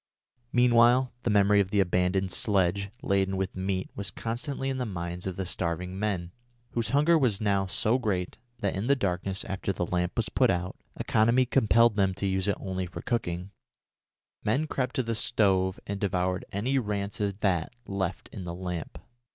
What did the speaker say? Meanwhile the memory of the abandoned sledge laden with meat was constantly in the minds of the starving men, whose hunger was now so great that in the darkness after the lamp was put out economy compelled them to use it only for cooking men crept to the stove and devoured any rancid fat left in the lamp.